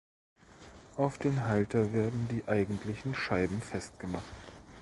Auf den Halter werden die eigentlichen Scheiben festgemacht.